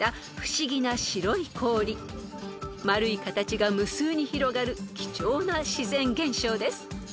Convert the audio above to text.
［丸い形が無数に広がる貴重な自然現象です］